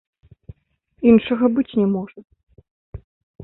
Іншага быць не можа.